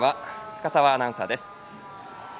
深澤アナウンサーです。